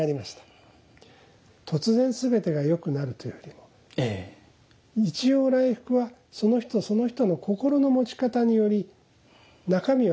突然全てが良くなるというよりも一陽来復はその人その人の心の持ち方により中身が変わってくる。